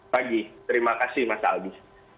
pagi terima kasih mas aldi